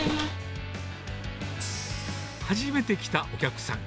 初めて来たお客さん。